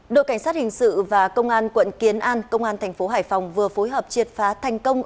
đội cảnh sát hình sự và công an quận kiến an công an thành phố hải phòng vừa phối hợp triệt phá thành công